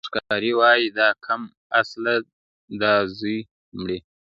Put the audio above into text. ښکاري وایې دا کم اصله دا زوی مړی,